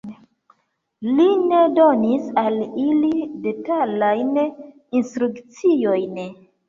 Li ne donis al ili detalajn instrukciojn.